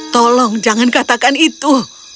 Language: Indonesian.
tolong jangan katakan itu